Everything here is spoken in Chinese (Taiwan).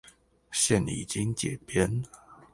現已經解編